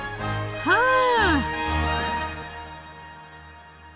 はあ。